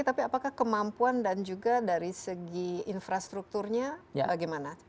tapi apakah kemampuan dan juga dari segi infrastrukturnya bagaimana